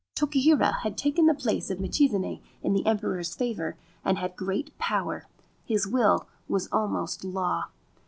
Tokihira had taken the place of Michizane in the Emperor's favour, and had great power ; his will was almost law.